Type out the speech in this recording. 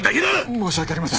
申し訳ありません。